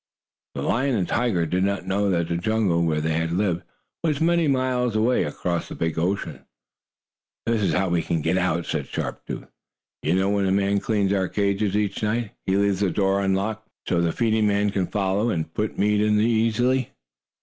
The lion and tiger did not know that the jungle, where they had lived, was many miles away, across the big ocean. "This is how we can get out," said Sharp Tooth. "You know when the man cleans our cages each night, he leaves the door unlocked so the feeding man can follow and put meat in easily."